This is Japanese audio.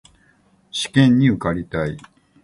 試験に受かりたい